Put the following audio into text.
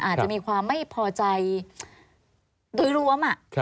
อาจจะมีความไม่พอใจโดยรวม